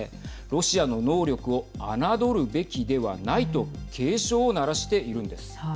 ロシアの能力を侮るべきではないと警鐘を鳴らしているんです。